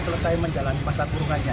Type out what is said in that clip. selesai menjalani masa turunannya